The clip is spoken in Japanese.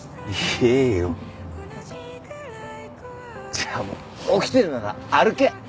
じゃあもう起きてるなら歩け！